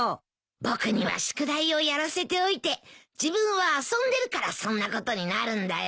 僕には宿題をやらせておいて自分は遊んでるからそんなことになるんだよ。